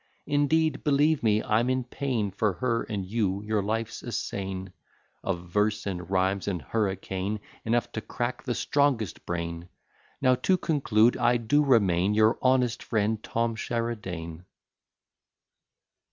Indeed, believe me, I'm in pain For her and you; your life's a scene Of verse, and rhymes, and hurricane, Enough to crack the strongest brain. Now to conclude, I do remain, Your honest friend, TOM SHERIDAN.